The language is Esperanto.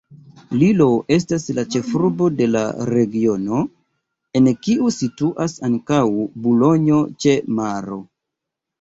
Lillo estas la ĉefurbo de la regiono, en kiu situas ankaŭ Bulonjo-ĉe-Maro.